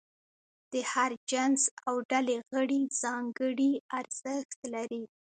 د هر جنس او ډلې غړي ځانګړي ارزښت لري.